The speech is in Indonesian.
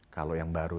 kalau yang baru